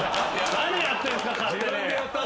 何やってんすか勝手に。